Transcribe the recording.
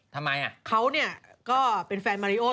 ทำไมล่ะเขาเนี่ยมีแฟนมาโรโหส